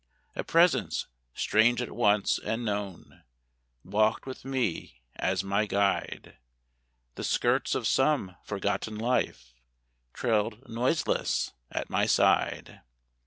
A presence, strange at once and known, Walked with me as my guide; The skirts of some forgotten life Trailed noiseless at my side.